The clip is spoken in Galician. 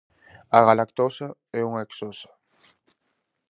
A galactosa é unha hexosa.